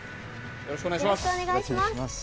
よろしくお願いします。